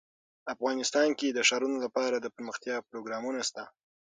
افغانستان کې د ښارونه لپاره دپرمختیا پروګرامونه شته.